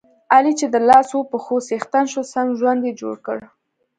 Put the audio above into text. علي چې د لاسو پښو څښتن شو، سم ژوند یې جوړ کړ.